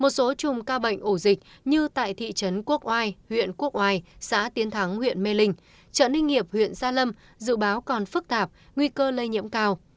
một số chùm ca bệnh ổ dịch như tại thị trấn quốc oai huyện quốc oai xã tiến thắng huyện mê linh chợ ninh hiệp huyện gia lâm dự báo còn phức tạp nguy cơ lây nhiễm cao